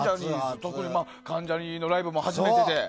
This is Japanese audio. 特に関ジャニのライブも初めてで。